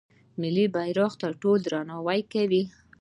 ملي بیرغ ته ټول درناوی کوي.